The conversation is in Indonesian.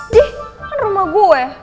dih kan rumah gue